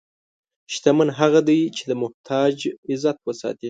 شتمن هغه دی چې د محتاج عزت ساتي.